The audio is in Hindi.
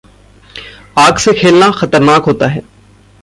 आग से खेलना खतरनाक होता है।